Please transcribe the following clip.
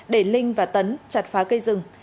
để linh và tấn chặt phá cây rừng